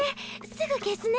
すぐ消すね。